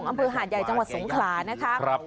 ทางพื้นหาดใหญ่จังหวัดสงขลานะคะ